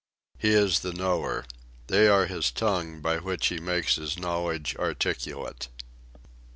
He is the knower. They are his tongue, by which he makes his knowledge articulate.